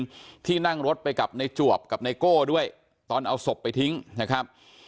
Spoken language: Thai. ที่นั่งรถไปกับในจวบกับไนโก้ด้วยตอนเอาศพไปทิ้งนะครับ